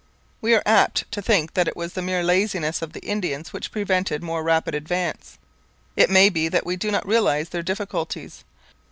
We are apt to think that it was the mere laziness of the Indians which prevented more rapid advance. It may be that we do not realize their difficulties.